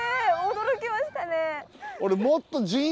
驚きましたね。